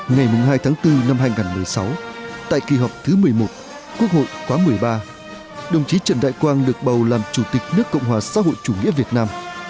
ngày hai tháng bốn năm hai nghìn một mươi sáu tại kỳ họp thứ một mươi một quốc hội khóa một mươi ba đồng chí trần đại quang được bầu làm chủ tịch nước cộng hòa xã hội chủ nghĩa việt nam